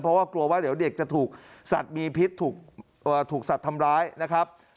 เพราะว่ากลัวว่าเดี๋ยวเด็กจะถูกสัตว์มีพิษถูกสัตว์ทำร้ายนะครับ